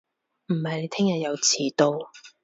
唔係你聽日又遲到